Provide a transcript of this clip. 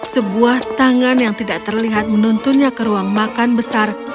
sebuah tangan yang tidak terlihat menuntunnya ke ruang makan besar